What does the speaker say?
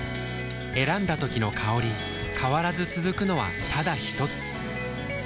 選んだ時の香り変わらず続くのはただひとつ？